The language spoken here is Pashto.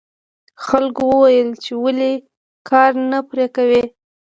خلکو وویل چې ولې کار نه پرې کوې.